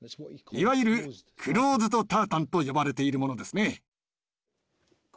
いわゆる「クローズド・タータン」と呼ばれているものですね。